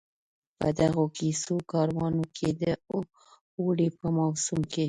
په دغو کسبه کارانو کې د اوړي په موسم کې.